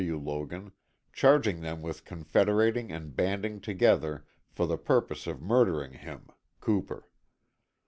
W. Logan, charging them with confederating and banding together for the purpose of murdering him (Cooper).